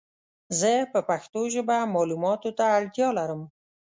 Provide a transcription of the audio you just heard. زه په پښتو ژبه مالوماتو ته اړتیا لرم